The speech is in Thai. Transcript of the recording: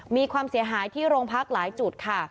มีความเสียหายที่โรงพักหลายจุดค่ะ